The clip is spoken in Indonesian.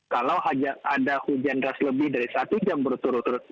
kalau ada hujan deras lebih dari satu jam berturut turut